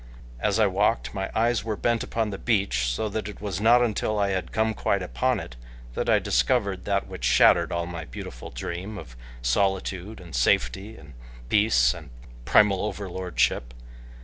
As I walked, my eyes were bent upon the beach so that it was not until I had come quite upon it that I discovered that which shattered all my beautiful dream of solitude and safety and peace and primal overlordship.